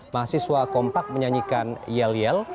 mahasiswa kompak menyanyikan yel yel